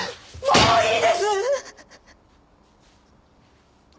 もういいです！